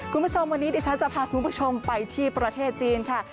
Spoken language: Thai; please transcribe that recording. คุณผู้ชมวันนี้ดิฉันจะพาคุณผู้ชมไปที่ประเทศจีนค่ะ